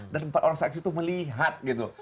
dan empat orang saksi itu melihat